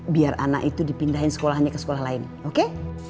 biar anak itu dipindahin sekolahnya ke sekolah lain oke